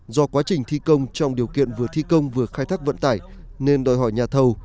do quá trình thi công trong điều kiện vừa thi công vừa khai thác vận tải nên đòi hỏi nhà thầu